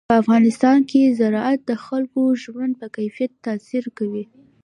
په افغانستان کې زراعت د خلکو د ژوند په کیفیت تاثیر کوي.